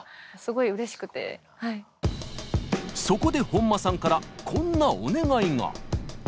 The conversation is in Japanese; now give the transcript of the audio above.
そこで本間さんからこんなお願いが。